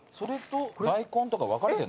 大根とか分かれてんの？